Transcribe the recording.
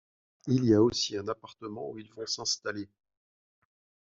Il y a aussi un appartement où ils vont s'installer.